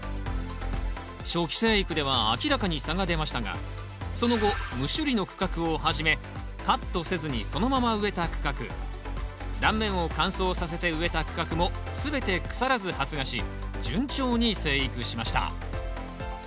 初期生育では明らかに差が出ましたがその後無処理の区画をはじめカットせずにそのまま植えた区画断面を乾燥させて植えた区画も全て腐らず発芽し順調に生育しました。